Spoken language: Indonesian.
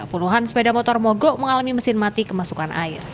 puluhan sepeda motor mogok mengalami mesin mati kemasukan air